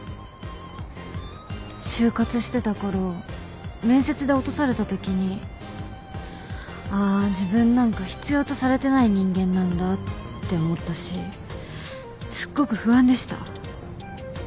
就活してたころ面接で落とされたときに「あ自分なんか必要とされてない人間なんだ」って思ったしすっごく不安でした。